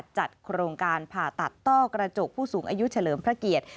จัดโครงการผ่าตัดต้อกระจกผู้สูงอายุเฉลิมพระเกียรติ